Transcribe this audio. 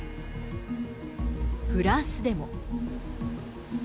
フランスでも。